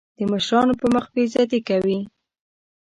د مشرانو په مخ بې عزتي کوي.